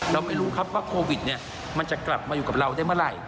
เราไม่รู้ครับว่าโควิดมันจะกลับมาอยู่กับเราได้เมื่อไหร่